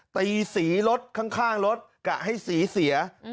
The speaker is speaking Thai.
ตีสีรถข้างรถกะให้สีเสีย